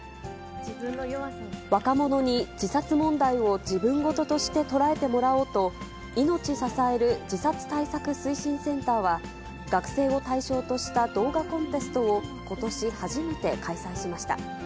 若者に自殺問題を自分事として捉えてもらおうと、いのち支える自殺対策推進センターは、学生を対象とした動画コンテストを、ことし初めて開催しました。